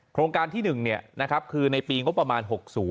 โครงการที่๑คือในปีงบประมาณ๖๐